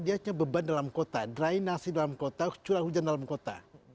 dia hanya beban dalam kota drainasi dalam kota curah hujan dalam kota